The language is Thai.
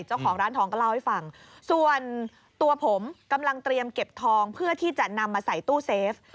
เจ้าของร้านทองก็เล่าให้ฟังส่วนตัวผมกำลังเตรียมเก็บทองเพื่อที่จะนำมาใส่ตู้เซฟ